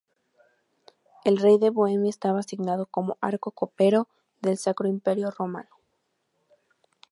El rey de Bohemia estaba asignado como Arco-Copero del Sacro Imperio Romano.